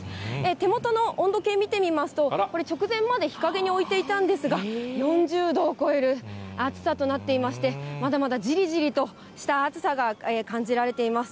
手元の温度計見てみますと、これ、直前まで日陰に置いていたんですが、４０度を超える暑さとなっていまして、まだまだじりじりとした暑さが感じられています。